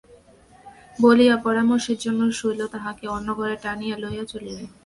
বলিয়া পরামর্শের জন্য শৈল তাঁহাকে অন্য ঘরে টানিয়া লইয়া চলিল।